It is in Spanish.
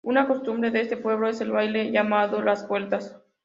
Una costumbre de este pueblo es el baile llamado "Las Vueltas".